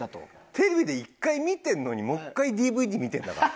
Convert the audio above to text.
テレビで１回見てるのにもう１回ＤＶＤ見てるんだから。